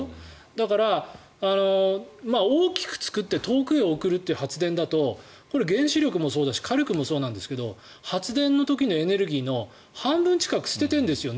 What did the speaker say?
だから、大きく作って遠くへ送るという発電だとこれ、原子力もそうだし火力もそうなんですけど発電の時のエネルギーの半分近くを捨ててるんですよ